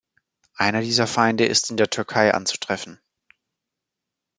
Einer dieser Feinde ist in der Türkei anzutreffen.